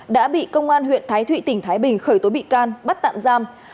đã bị công an huyện thái thụy tỉnh thái bình khởi tố bị can bắt tạm giam